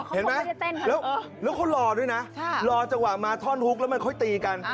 เห็นมั้ยแล้วเขารอดด้วยนะลัวจักรหวัดมาท่อนทกแล้วมันค่อยตีกัน